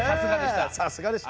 さすがでした。